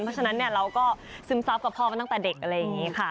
เพราะฉะนั้นเราก็ซึมซับกับพ่อมาตั้งแต่เด็กอะไรอย่างนี้ค่ะ